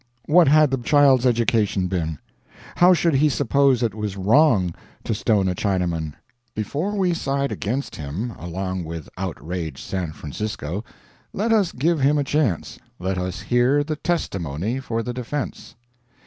What had the child's education been? How should he suppose it was wrong to stone a Chinaman? Before we side against him, along with outraged San Francisco, let us give him a chance let us hear the testimony for the defense.